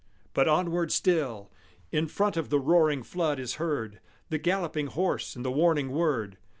But onward still, In front of the roaring flood, is heard The galloping horse and the warning word.